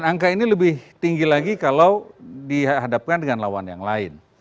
angka ini lebih tinggi lagi kalau dihadapkan dengan lawan yang lain